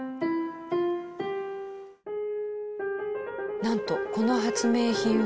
なんとこの発明品は。